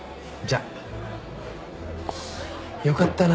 よかったな。